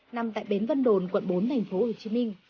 nằm tại bến vân đồn quận bốn thành phố hồ chí minh